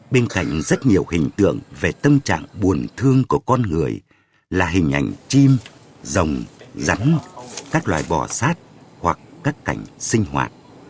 bên cạnh rất nhiều hình tượng về tâm trạng buồn thương của con người là hình ảnh chim rồng rắn các loài bò sát hoặc các cảnh sinh hoạt